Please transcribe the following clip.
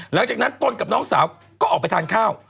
หลังจากนั้นตนกับน้องสาวก็ออกไปทานข้าว